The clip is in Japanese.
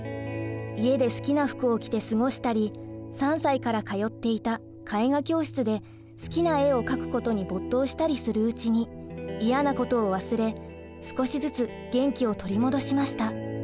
家で好きな服を着て過ごしたり３歳から通っていた絵画教室で好きな絵を描くことに没頭したりするうちに嫌なことを忘れ少しずつ元気を取り戻しました。